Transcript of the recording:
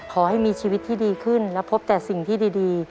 ขอให้มีชีวิตที่ดีขึ้นและพบแต่สิ่งที่ดี